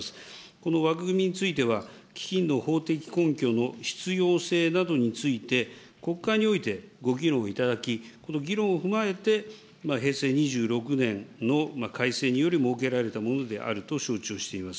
この枠組みについては、基金の法的根拠の必要性などについて、国会においてご議論をいただき、この議論を踏まえて、平成２６年の改正により設けられたものであると承知をしています。